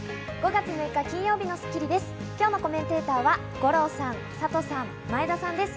５月６日、金曜日の『スッキリ』です。